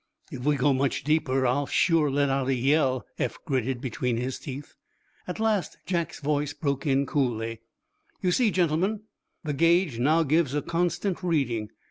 "If we go much deeper, I'll sure let out a yell," Eph gritted, between his teeth. At last Jack's voice broke in, coolly: "You see, gentlemen, the gauge now gives a constant reading.